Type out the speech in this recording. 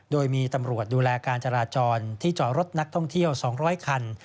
โดยมีตำรวจดูแลการจราจรที่จอดรถนักท่องเที่ยว๒๐๐คัน